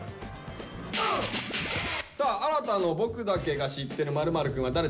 さあ新の「僕だけが知ってる○○くん」は誰ですか？